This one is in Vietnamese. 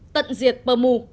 tận diệt bờ mù